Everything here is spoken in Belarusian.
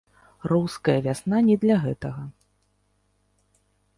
Руская вясна не для гэтага.